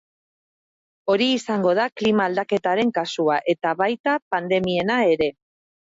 Hori izango da klima aldaketaren kasua, eta baita pandemiena ere.